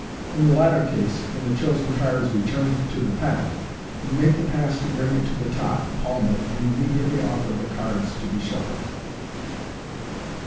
In the latter case, when the chosen card is returned to the pack, you make the pass to bring it to the top, palm it, and immediately offer the cards to be shuffled.